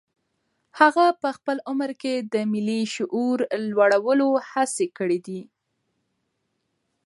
هغه په خپل عمر کې د ملي شعور لوړولو هڅې کړي.